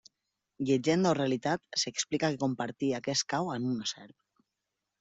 Llegenda o realitat, s'explica que compartia aquest cau amb una serp.